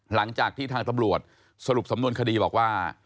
หลังจากที่ทางตำรวจสรุปสำนวนคดีบอกว่า